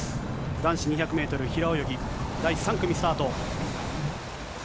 男子２００メートル平泳ぎ、第３組スタート。